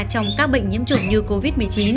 trong các bệnh nhiễm chủng như covid một mươi chín